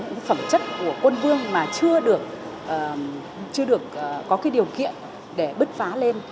những phẩm chất của quân vương mà chưa được chưa được có cái điều kiện để bứt phá lên